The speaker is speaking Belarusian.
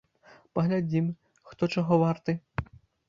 Паглядзім, хто чаго варты!